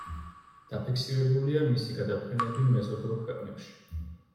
დაფიქსირებულია მისი გადაფრენები მეზობელ ქვეყნებში.